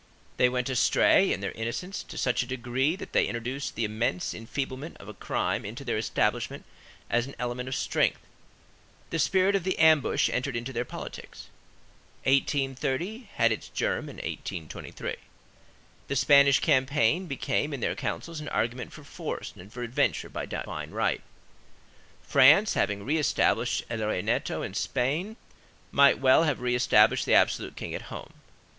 They went astray, in their innocence, to such a degree that they introduced the immense enfeeblement of a crime into their establishment as an element of strength. The spirit of the ambush entered into their politics. 1830 had its germ in 1823. The Spanish campaign became in their counsels an argument for force and for adventures by right Divine. France, having re established el rey netto in Spain, might well have re established the absolute king at home.